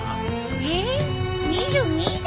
えっ見る見る。